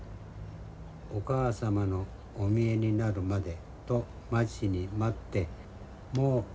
お母様のお見えになるまでと待ちに待ってもうじき見えるよ